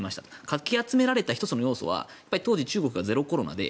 かき集められた１つの要素は当時中国がゼロコロナで